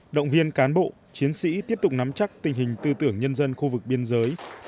động viên cán bộ chiến sĩ tiếp tục nắm chắc tình hình tư tưởng nhân dân khu vực biên giới